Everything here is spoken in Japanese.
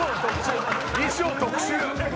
衣装特殊！